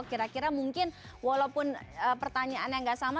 kira kira mungkin walaupun pertanyaan yang nggak sama